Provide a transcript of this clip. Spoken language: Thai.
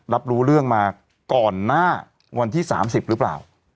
รับรู้เรื่องมาก่อนหน้าวันที่๓๐หรือเปล่า